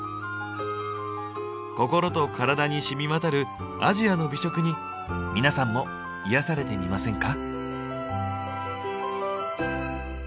心とカラダにしみわたるアジアの美食に皆さんも癒やされてみませんか？